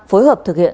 phối hợp thực hiện